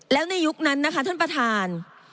แล้วในยุคนั้นนะคะท่านประธาน